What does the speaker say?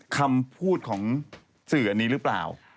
คำพูดของสื่ออันนี้หรือเปล่า